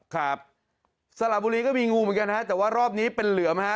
ครับสระบุรีก็มีงูเหมือนกันฮะแต่ว่ารอบนี้เป็นเหลือมฮะ